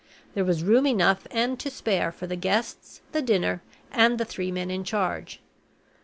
There was room enough and to spare for the guests, the dinner, and the three men in charge.